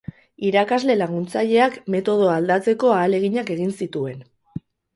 Irakasle laguntzaileak metodoa aldatzeko ahaleginak egin zituen.